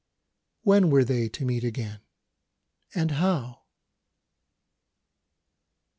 When were they to meet again? And how?